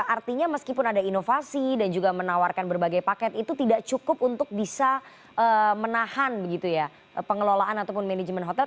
artinya meskipun ada inovasi dan juga menawarkan berbagai paket itu tidak cukup untuk bisa menahan pengelolaan ataupun manajemen hotel